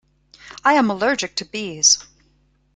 I am allergic to bees.